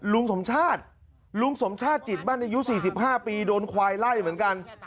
ลุงสมชาติลุงสมชาติจิตมั่นอายุ๔๕ปีโดนควายไล่เหมือนกัน